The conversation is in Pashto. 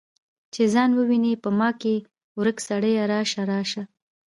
چې ځان وویني په ما کې ورک سړیه راشه، راشه